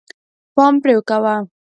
پام پرې کوه.